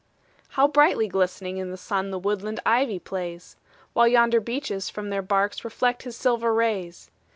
How brightly glistening in the sun The woodland ivy plays! While yonder beeches from their barks Reflect his silver rays.